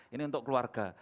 ini untuk keluarga